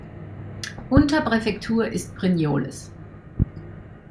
Unterpräfektur ist Brignoles.